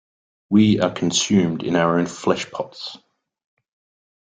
We are consumed in our own flesh-pots.